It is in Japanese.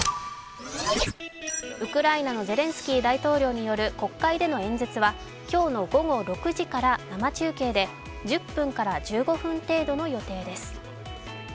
ウクライナのゼレンスキー大統領による国会での演説は今日の午後６時から生中継で１０分から１５分程度の予定です。